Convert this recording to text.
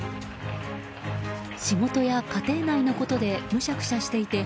仕事や家庭内のことでむしゃくしゃしていて